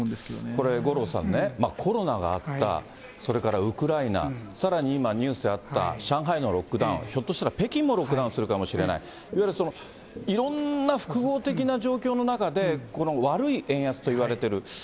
これ五郎さんね、コロナがあった、それからウクライナ、さらに今、ニュースであった上海のロックダウン、ひょっとしたら北京もロックダウンするかもしれない、いわゆるいろんな複合的な状況の中で、この悪い円安といわれている。